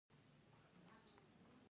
الیف هیڅ نه لری.